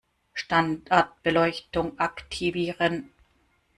Standardbeleuchtung aktivieren